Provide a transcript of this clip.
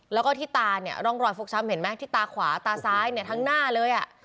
แล้วก็ที่ตารองรอยฟวกช้ำเห็นไหมที่ตาขวาตาซ้ายทั้งหน้าเลย